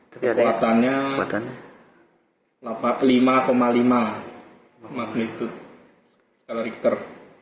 kekuatannya lima lima magnitude skala richter